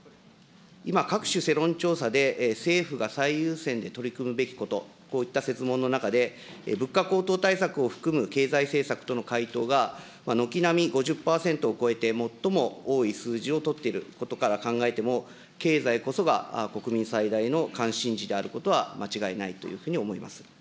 今、各種世論調査で、政府が最優先で取り組むべきこと、こういった設問の中で、物価高騰対策を含む経済政策との回答が、軒並み５０％を超えて、最も多い数字を取っていることから考えても、経済こそが国民最大の関心事であることは間違いないというふうに思います。